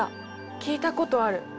聞いたことある。